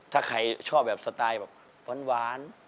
ถ้าใครชอบแบบสไตล์แบบหวาน